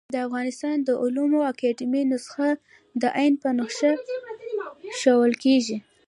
د افغانستان د علومو اکاډيمۍ نسخه د ع په نخښه ښوول کېږي.